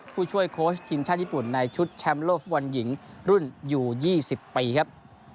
ผู้ช่วยโค้ชทีมชาติญี่ปุ่นในชุดแชมป์โลกฟุตบอลหญิงรุ่นอยู่๒๐ปีครับ